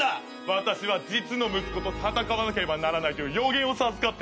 私は実の息子と戦わなければならないという予言を授かっててな。